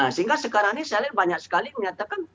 sehingga sekarang ini saya lihat banyak sekali menyatakan